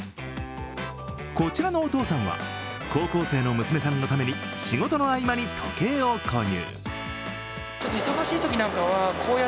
こちらのお父さんは、高校生の娘さんのために仕事の合間に時計を購入。